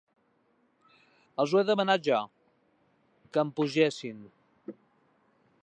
Els ho he demanat jo, que em pugessin...